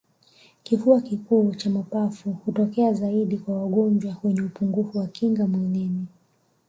kifua kikuu cha mapafu hutokea zaidi kwa wagonjwa wenye upungufu wa kinga mwilini